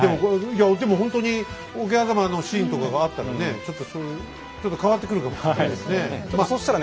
でもほんとに桶狭間のシーンとかがあったらねちょっと変わってくるかもしれないですね。